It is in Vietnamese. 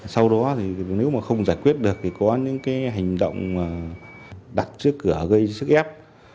sau đó nếu mà không giải quyết được thì có những hành động đặt trước cửa gây sức ép